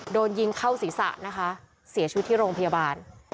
โดนยิงเข้าศีรษะนะคะเสียชีวิตที่โรงพยาบาล